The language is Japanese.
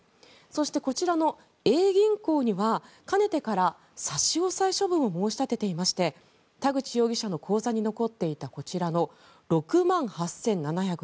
そしてこちらのＡ銀行にはかねてから差し押さえ処分を申し立てていまして田口容疑者の口座に残っていた６万８７４３円